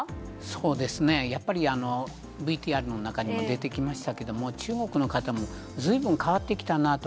そうですね、やっぱりＶＴＲの中にも出てきましたけれども、中国の方もずいぶん変わってきたなと。